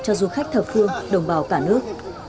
cho du khách thập phương đồng bào cả nước